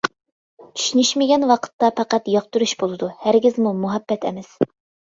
چۈشىنىشمىگەن ۋاقىتتا پەقەت ياقتۇرۇش بولىدۇ، ھەرگىزمۇ مۇھەببەت ئەمەس.